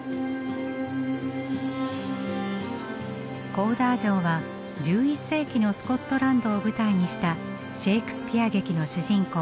コーダー城は１１世紀のスコットランドを舞台にしたシェークスピア劇の主人公